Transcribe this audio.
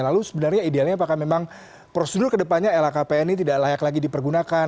lalu sebenarnya idealnya apakah memang prosedur kedepannya lhkpn ini tidak layak lagi dipergunakan